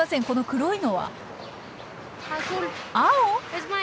この黒いのは？